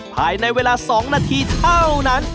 ภายในเวลา๒นาทีเท่านั้น